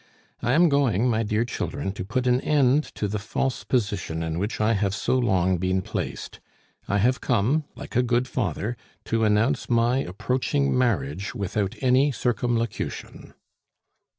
I am going, my dear children, to put an end to the false position in which I have so long been placed; I have come, like a good father, to announce my approaching marriage without any circumlocution."